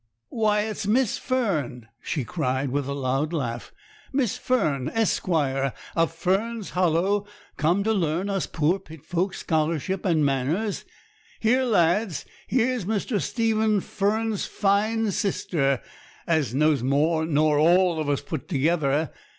'Why, it's Miss Fern!' she cried, with a loud laugh; 'Miss Fern, Esq., of Fern's Hollow, come to learn us poor pit folk scholarship and manners. Here, lads! here's Mr. Stephen Fern's fine sister, as knows more nor all of us put together.